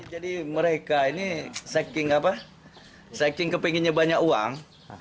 jadi mereka ini saking apa saking kepinginnya banyak uang